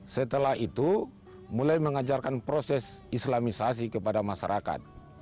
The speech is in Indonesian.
setelah itu mulai mengajarkan proses islamisasi kepada masyarakat